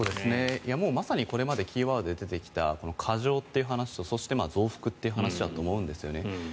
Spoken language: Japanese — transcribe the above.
まさにこれまでキーワードで出てきた過剰という話とそして、増幅という話だと思うんですね。